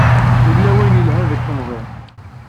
Yella wayen yelhan deg temẓi.